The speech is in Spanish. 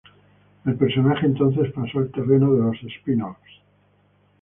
El personaje entonces pasó al terreno de los spin-offs.